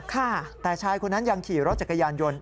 แต่ชายคนนั้นยังขี่รถจักรยานยนต์